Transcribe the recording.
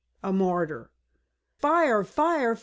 A MARTYR. "Fire! fire!